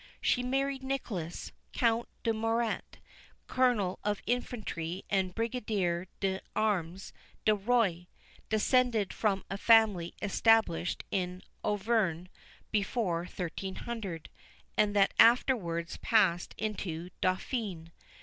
She married Nicholas, Count de Murat, Colonel of Infantry and Brigadier des Armées du Roi, descended from a family established in Auvergne before 1300, and that afterwards passed into Dauphiné.